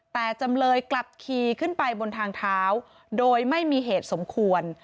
แต่จำเลยกลับขี่ขึ้นไปบนทางเท้าโดยไม่มีเหตุสมควร